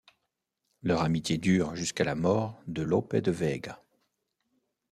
Leur amitié dure jusqu'à la mort de Lope de Vega.